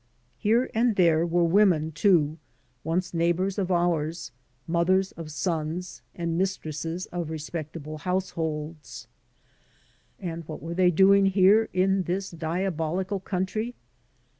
Here and there were women, too, once neighbors oi 67 AN AMERICAN IN THE MAKING oursr mothers of sons, and mistresses of respectable households. And what were they doing here in this diabolical country?